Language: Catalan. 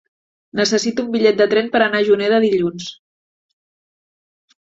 Necessito un bitllet de tren per anar a Juneda dilluns.